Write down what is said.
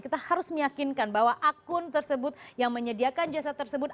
kita harus meyakinkan bahwa akun tersebut yang menyediakan jasa tersebut